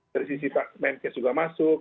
dari sisi pak menkes juga masuk